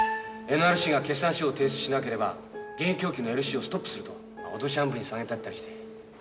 ＮＲＣが決算書を提出しなければ原油供給のＬＣをストップすると脅し半分に騒ぎ立てたりして。